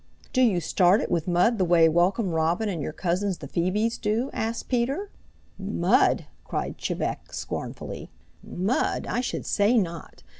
"Do you start it with mud the way Welcome Robin and your cousins, the Phoebes, do?" asked Peter. "Mud!" cried Chebec scornfully. "Mud! I should say not!